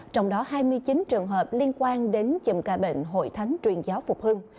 trong đó hai mươi chín trường hợp liên quan đến chùm ca bệnh hội thánh truyền giáo phục hưng